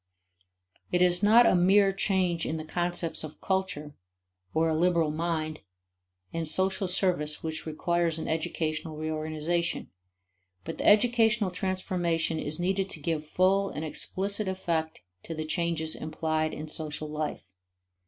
It is not a mere change in the concepts of culture or a liberal mind and social service which requires an educational reorganization; but the educational transformation is needed to give full and explicit effect to the changes implied in social life.